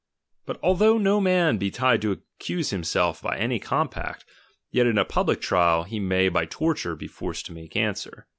But although no man be tied to accuse himself by any compact, yet in a public trial he may by torture be forced to make answer.